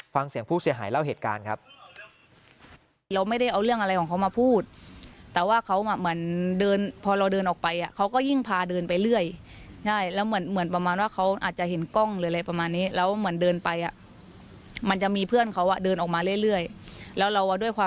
ฟังเสียงผู้เสียหายเล่าเหตุการณ์ครับ